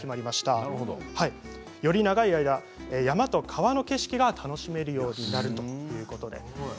山と川の景色が楽しめるようになるということです。